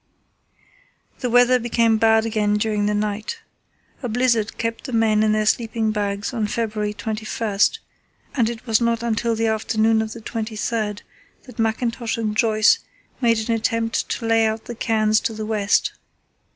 The weather, became bad again during the night. A blizzard kept the men in their sleeping bags on February 21, and it was not until the afternoon of the 23rd that Mackintosh and Joyce made an attempt to lay out the cairns to the west.